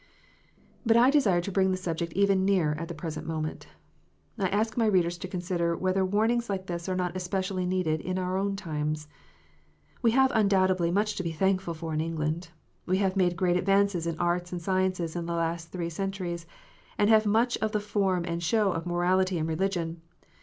But I desire to bring the subject even nearer at the present moment. I ask my readers to consider whether warnings like this are not especially needed in our own times. We have, undoubtedly, much to be thankful for in England. We have made great advances in arts and sciences in the last three centuries, and have much of the form and show of morality and religion.